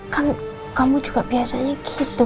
kan kamu juga biasanya gitu